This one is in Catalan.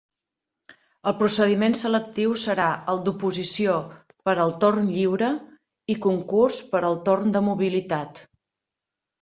El procediment selectiu serà el d'oposició per al torn lliure i concurs per al torn de mobilitat.